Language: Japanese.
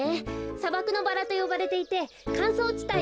さばくのバラとよばれていてかんそうちたいにさく。